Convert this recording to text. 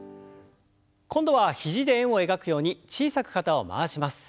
今度は肘で円を描くように小さく肩を回します。